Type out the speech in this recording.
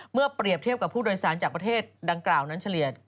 เปรียบเทียบกับผู้โดยสารจากประเทศดังกล่าวนั้นเฉลี่ย